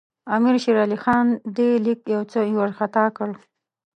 امیر شېر علي خان دې لیک یو څه وارخطا کړ.